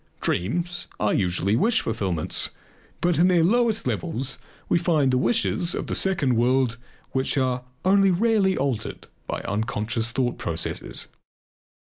Dreams are usually wish fulfillments, but in their lowest levels we find the wishes of the second world which are only rarely altered by unconscious thought processes.